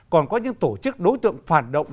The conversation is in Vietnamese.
còn có những tổ chức đối tượng phản động